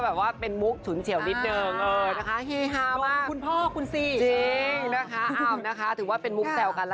แล้วเมื่อกี้ได้ยินอะไรนะแจ๊ลูกตาดม